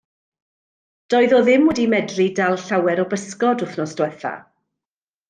Doedd o ddim wedi medru dal llawer o bysgod wythnos diwethaf.